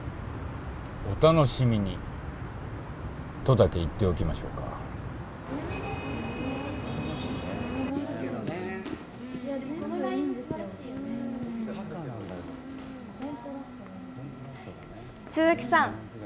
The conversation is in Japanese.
お楽しみにとだけ言っておきましょうか鈴木さん